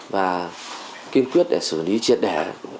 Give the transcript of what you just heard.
và kiên quyết để xử lý triệt đẻ